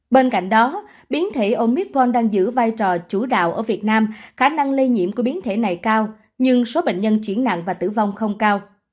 bên cạnh đó biến thể omipon đang giữ vai trò chủ đạo ở việt nam khả năng lây nhiễm của biến thể này cao nhưng số bệnh nhân chuyển nặng và tử vong không cao